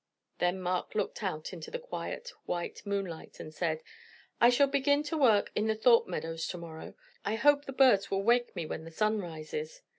Then Mark looked out into the quiet, white moonlight, and said: "I shall begin to work in the Thorpe Meadows to morrow, I hope the birds will wake me when the sun rises."